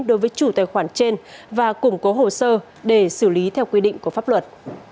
đối với chủ tài khoản trên và củng cố hồ sơ để xử lý theo quy định của pháp luật